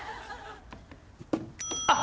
あっ！？